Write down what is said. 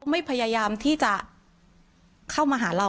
ไม่พยายามที่จะเข้ามาหาเรา